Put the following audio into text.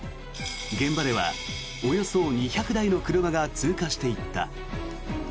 現場ではおよそ２００台の車が通過していった。